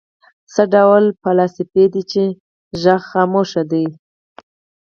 څه ډول فلاسفې دي چې غږ خاموش دی.